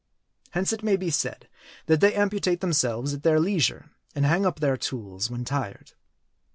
Hence it may be said, that they amputate themselves at their leisure, and hang up their tools when tired.